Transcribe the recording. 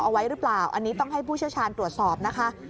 เอาไว้หรือเปล่าอันนี้ต้องให้ผู้เชี่ยวชาญตรวจสอบนะคะ